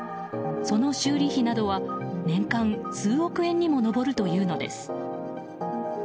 その修理費などは年間数億円にも上るというのです。